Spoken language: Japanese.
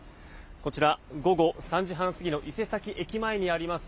こちら午後３時半過ぎの伊勢崎駅前にあります